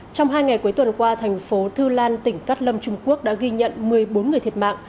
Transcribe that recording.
trong hai ngày cuối tuần qua thành phố thư lan tỉnh cát lâm trung quốc đã ghi nhận một mươi bốn người thiệt mạng